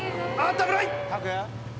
危ない！